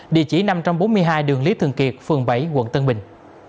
địa chỉ năm trăm bốn mươi hai đường lý thường kiệt phường bảy quận tân bình